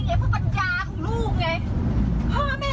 แม่หามาให้ส่งมาพรุ่งนี้เช้าเลย